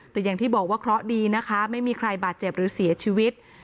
แต่อย่างที่บอกว่าเคราะห์ดีนะคะไม่มีใครบาดเจ็บหรือเสียชีวิต